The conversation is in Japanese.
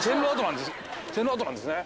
線路跡なんですね。